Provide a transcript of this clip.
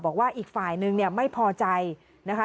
บอกว่าอีกฝ่ายนึงไม่พอใจนะคะ